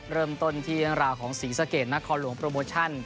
เริ่มต้นที่เรื่องราวของศรีสะเกดนครหลวงโปรโมชั่น